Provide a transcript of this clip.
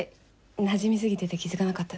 なじみすぎてて気づかなかったです。